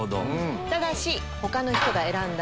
ただし。